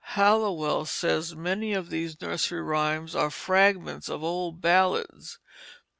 Halliwell says many of these nursery rhymes are fragments of old ballads.